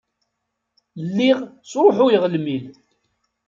Lliɣ sṛuḥuyeɣ lmil.